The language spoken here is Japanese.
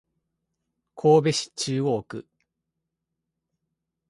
神戸市中央区